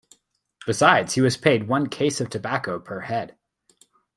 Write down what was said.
Besides, he was paid one case of tobacco per head.